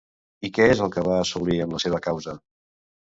I què és el que va assolir amb la seva causa?